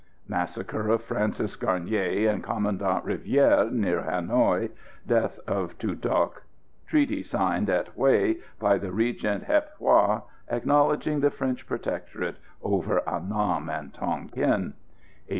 Massacre of Francis Garnier and Commandant Rivière near Hanoï. Death of Tu Duc. Treaty signed at Hué by the Regent Hiep Hoa, acknowledging the French Protectorate over Annam and Tonquin.